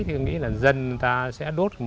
thì tôi nghĩ là dân ta sẽ đốt